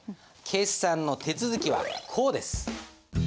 決算の手続きはこうです。